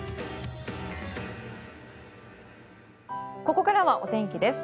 ここからはお天気です。